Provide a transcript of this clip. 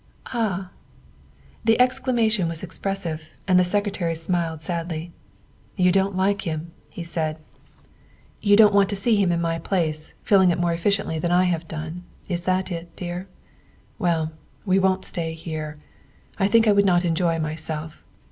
"Ah!" the exclamation was expressive, and the Sec retary smiled sadly. "You don't like him," he said; "you would not 230 THE WIFE OF want to see him in my place, filling it more efficiently than I have done, is that it, dear? Well, we won't stay here. I think I would not enjoy it myself.